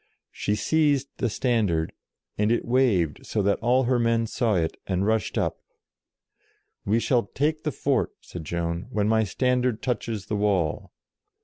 She seized the standard, and it waved so that all her men saw it, and rushed up; "we shall take the fort," said Joan, " when my standard touches the wall."